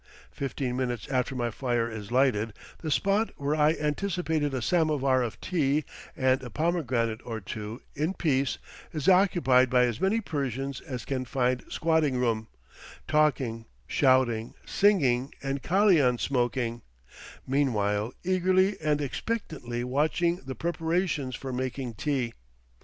Fifteen minutes after my fire is lighted, the spot where I anticipated a samovar of tea and a pomegranate or two in peace, is occupied by as many Persians as can find squatting room, talking, shouting, singing, and kalian smoking, meanwhile eagerly and expectantly watching the preparations for making tea.